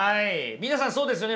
皆さんそうですよね。